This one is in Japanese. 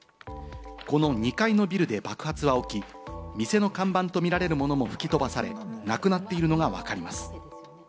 この２階のビルで爆発は起き、店の看板とみられるものも吹き飛ばされ、なくなっているのがわかります。